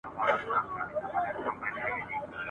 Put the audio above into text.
د پښتنو هر مشر !.